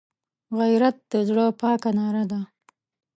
غیرت د زړه پاکه ناره ده